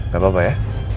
gak apa apa ya